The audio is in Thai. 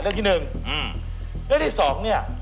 เรื่องที่หนึ่งและที่สองเนี่ย